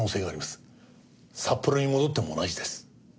札幌に戻っても同じです。